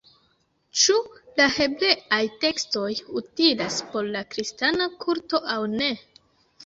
Ĉu la hebreaj tekstoj utilas por la kristana kulto aŭ ne?